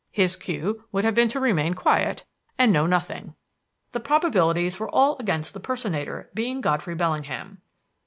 His cue would have been to remain quiet and know nothing. The probabilities were all against the personator being Godfrey Bellingham.